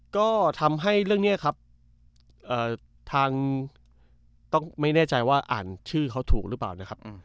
ก็ทำให้เรื่องนี้ครับทางต้องไม่แน่ใจว่าอ่านชื่อเขาถูกหรือเปล่านะครับ